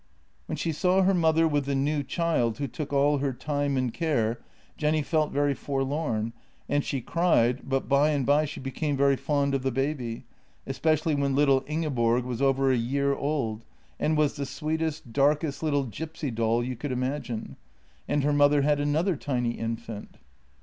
When she saw her mother with the new child, who took all her time and care, Jenny felt very forlorn, and she cried, but by and by she became very fond of the baby, especially when little Ingeborg was over a year old and was the sweetest, dark est little gipsy doll you could imagine — and her mother had another tiny infant.